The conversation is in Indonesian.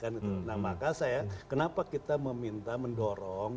nah maka saya kenapa kita meminta mendorong